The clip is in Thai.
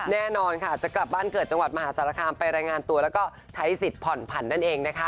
แน่นอนจะกลับบ้านเกิดจังหวัดมหาศาลคามไปรายงานตัวแล้วก็ใช้สิทธิ์ผ่อนผัน